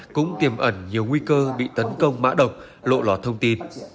cũng tiềm ẩn nhiều nguy cơ bị tấn công mã độc lộ lọt thông tin